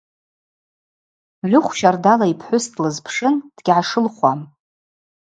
Лыхв щардала йпхӏвыс длызпшын – дгьгӏашылхуам.